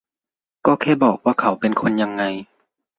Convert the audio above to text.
ก็แค่บอกว่าเขาเป็นคนยังไง